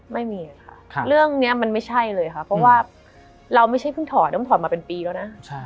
ไม่มีค่ะเรื่องนี้มันไม่ใช่เลยค่ะเพราะว่าเราไม่ใช่เพิ่งถอดต้องถอดมาเป็นปีแล้วนะ